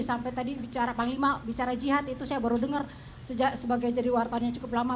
sampai tadi bicara panglima bicara jihad itu saya baru dengar sebagai jadi wartawan yang cukup lama